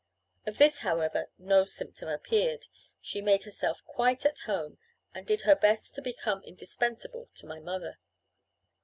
Of this, however, no symptom appeared: she made herself quite at home, and did her best to become indispensable to my mother.